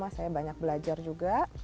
saya banyak belajar juga